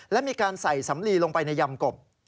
และมีการใส่สำลีลงไปในยำกบ